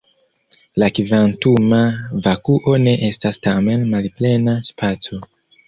La kvantuma vakuo ne estas tamen malplena spaco.